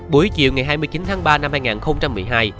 buổi chiều ngày hai mươi chín tháng ba năm hai nghìn một mươi hai